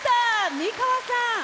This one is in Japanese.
美川さん。